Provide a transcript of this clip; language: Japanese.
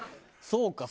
そうか。